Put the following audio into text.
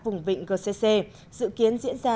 vùng vịnh gcc dự kiến diễn ra